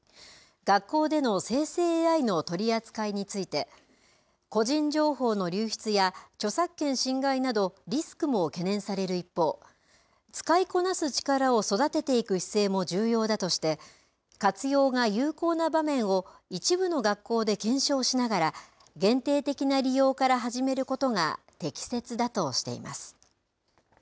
学校での生成ＡＩの取り扱いについて、個人情報の流出や、著作権侵害などリスクも懸念される一方、使いこなす力を育てていく姿勢も重要だとして、活用が有効な場面を一部の学校で検証しながら、限定的な利用から始めることが適切だとしています。